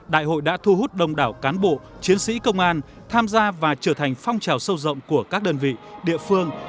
đại hội đã thu hút đông đảo cán bộ chiến sĩ công an tham gia và trở thành phong trào sâu rộng của các đơn vị địa phương